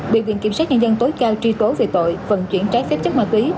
bệnh viện kiểm soát nhân dân tối cao tri tố về tội vận chuyển trái xếp chất ma túy